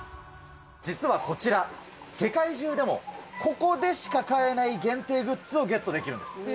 実はこちら、世界中でもここでしか買えない限定グッズをゲットできるんです。